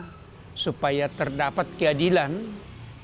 yang pertama supaya terdapat karyawan yang diperhatikan dan yang diperhatikan adalah